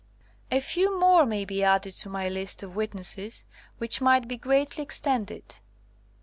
A few more may be added to my list of witnesses, which might be greatly extended.